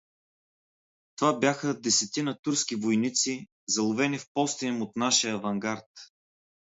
Това бяха десетина турски войници, заловени в поста им от нашия авангард.